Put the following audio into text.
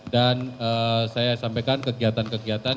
dan saya sampaikan kegiatan kegiatan